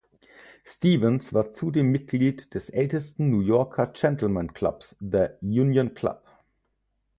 Stevens war zudem Mitglied des ältesten New Yorker Gentlemen-Clubs "The Union Club".